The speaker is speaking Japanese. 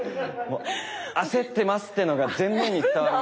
焦ってますっていうのが全面に伝わる。